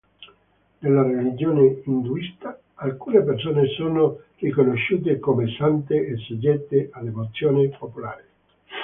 Nella religione induista, alcune persone sono riconosciute come sante e soggette a devozione popolare.